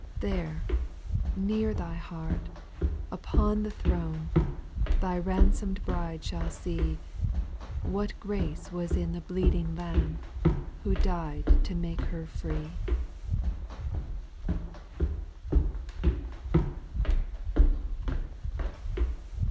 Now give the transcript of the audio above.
8. There, near Thy heart, upon the throne, Thy ransom'd Bride shall see, What grace was in the bleeding Lamb, Who died to make her free.